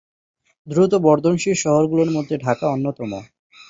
দ্রুত বর্ধনশীল শহরগুলোর মধ্যে ঢাকা অন্যতম।